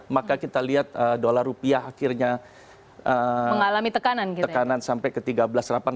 maka kita lihat dolar rupiah akhirnya mengalami tekanan sampai ke tiga belas delapan ratus